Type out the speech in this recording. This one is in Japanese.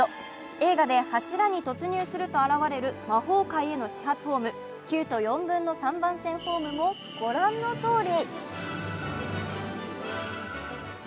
映画で柱に突入すると現れる魔法界への始発ホーム９と３／４番線ホームもご覧のとおり。